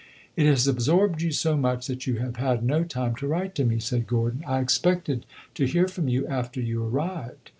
"It has absorbed you so much that you have had no time to write to me," said Gordon. "I expected to hear from you after you arrived."